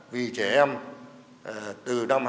vì trẻ em từ năm hai nghìn một mươi tám